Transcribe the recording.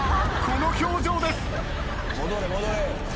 この表情です。